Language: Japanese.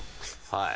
はい。